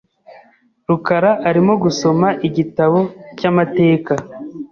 rukara arimo gusoma igitabo cyamateka .